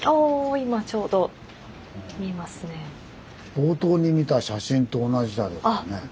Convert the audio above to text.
冒頭に見た写真と同じだよね。